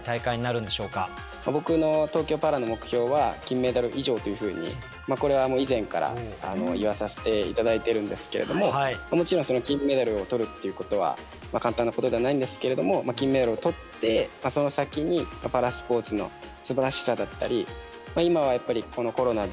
僕の東京パラの目標は「金メダル以上」というふうにこれは以前から言わさせて頂いてるんですけれどももちろん金メダルを取るっていうことは簡単なことではないんですけれども金メダルを取ってその先にパラスポーツのすばらしさだったり今はやっぱりこのコロナで一回